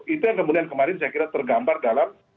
itu yang kemudian kemarin saya kira tergambar dalam